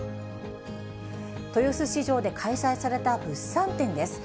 豊洲市場で開催された物産展です。